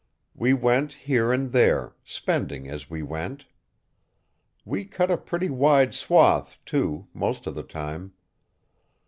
We went here and there, spending as we went. We cut a pretty wide swath too, most of the time.